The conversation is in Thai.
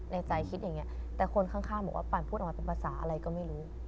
ในใจคิดอย่างนี้แต่คนข้างบอกว่าปั่นพูดออกมาเป็นภาษาอะไรก็ไม่รู้